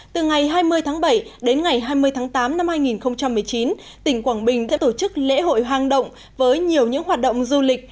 từ ngày hai mươi tháng bảy đến ngày hai mươi tháng tám năm hai nghìn một mươi chín tỉnh quảng bình sẽ tổ chức lễ hội hang động với nhiều những hoạt động du lịch